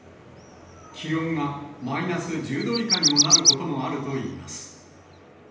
気温がマイナス１０度以下にもなることもあるといいます。